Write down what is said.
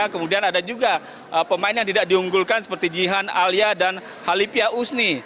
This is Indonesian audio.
kemudian ada juga pemain yang tidak diunggulkan seperti jihan alia dan halipia usni